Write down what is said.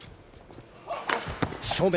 正面！